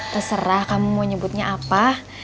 terserah kamu mau nyebutnya apa